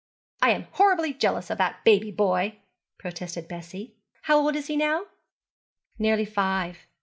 'I am horribly jealous of that baby boy,' protested Bessie. 'How old is he now?' 'Nearly five.